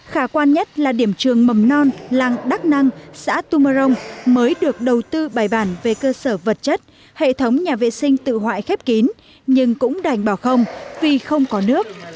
khả quan nhất là điểm trường mầm non làng đắc năng xã tu mơ rông mới được đầu tư bài bản về cơ sở vật chất hệ thống nhà vệ sinh tự hoại khép kín nhưng cũng đành bảo không vì không có nước